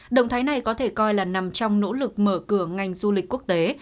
động thái này có thể coi là nằm trong nỗ lực mở cửa ngành du lịch quốc tế